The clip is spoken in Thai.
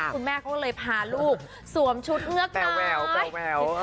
คุณแม่ก็เลยพาลูกสวมชุดเอื้อกน้อยแบวแบว